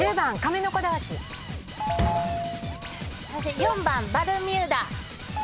４番バルミューダ。